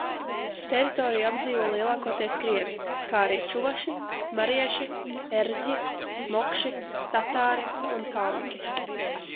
Teritoriju apdzīvo lielākoties krievi, kā arī čuvaši, marieši, erzji, mokši, tatāri un kalmiki.